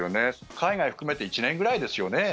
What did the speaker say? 海外含めて１年ぐらいですよね。